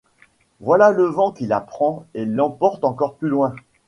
voilà le vent qui la prend et l’emporte encore plus loin.